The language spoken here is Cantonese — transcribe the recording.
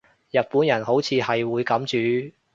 日本人好似係會噉煮